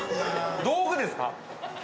◆道具ですか？